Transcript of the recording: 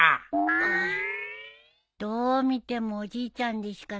あっどう見てもおじいちゃんでしかないっていうか。